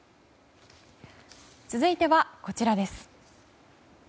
続いてはこちらです。